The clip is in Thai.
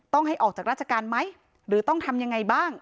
ให้ออกจากราชการไหมหรือต้องทำยังไงบ้าง